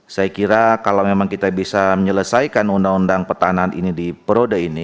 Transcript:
saya kira kalau memang kita bisa menyelesaikan undang undang pertahanan ini di periode ini